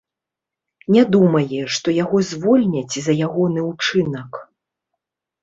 Не думае, што яго звольняць за ягоны ўчынак.